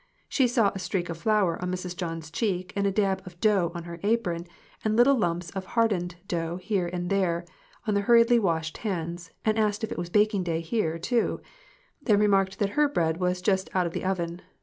She saw a streak of flour on Mrs. John's cheek and a dab of dough on her apron, and little lumps of harden ing dough here and there on the hurriedly washed hands, and asked if it was baking day here, too ; then remarked that her bread was just out of the oven.